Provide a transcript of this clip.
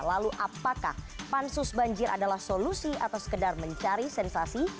lalu apakah pansus banjir adalah solusi atau sekedar mencari sensasi